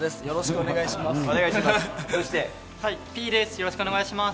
よろしくお願いします。